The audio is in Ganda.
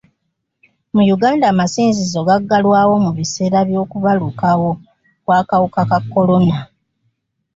Mu Uganda, amasinzizo gaggalwawo mu biseera by'okubalukawo kw'akawuka ka kolona.